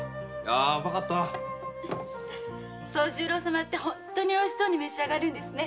惣十郎様は本当においしそうに召し上がるんですね。